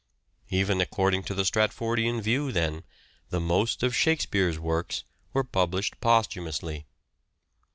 Even according to the Stratfordian view, then, the most of Shakespeare's works were published posthumously.